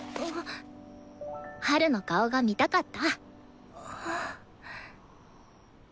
ハルの顔が見たかった。